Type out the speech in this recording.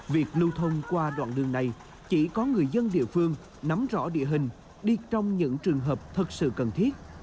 việc lưu thông qua đoạn đường này chỉ có người dân địa phương nắm rõ địa hình đi trong những trường hợp thật sự cần thiết